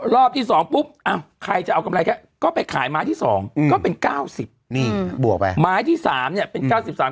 รอบที่๒ปุ๊บใครจะเอากำไรแค่ก็ไปขายไม้ที่๒ก็เป็น๙๐ไม้ที่๓เป็น๙๓๙๔๙๕